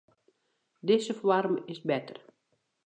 Dizze foarm is better.